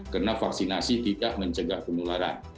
karena vaksinasi tidak mencegah penularan